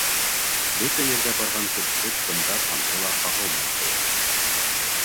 Бөтә ерҙә барған көрсөк бында тамсы ла ҡағылмай кеүек.